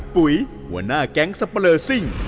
ปุ๋ยหัวหน้าแก๊งสับปะเลอร์ซิ่ง